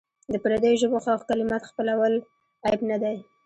د پردیو ژبو ښه کلمات خپلول عیب نه دی.